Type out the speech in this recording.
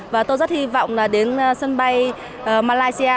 và tôi rất hy vọng đến sân bay malaysia